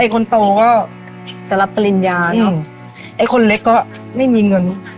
คนโตก็จะรับปริญญาเนอะไอ้คนเล็กก็ไม่มีเงิน